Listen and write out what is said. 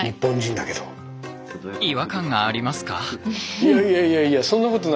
いやいやいやいやそんなことない。